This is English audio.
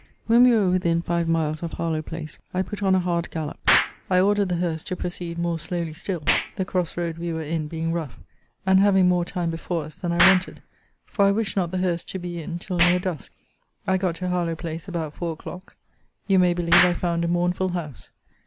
When we were within five miles of Harlowe place, I put on a hand gallop. I ordered the hearse to proceed more slowly still, the cross road we were in being rough; and having more time before us than I wanted; for I wished not the hearse to be in till near dusk. I got to Harlowe place about four o'clock. You may believe I found a mournful house.